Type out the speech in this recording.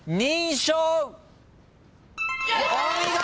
お見事！